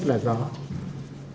chúng tôi cứ thương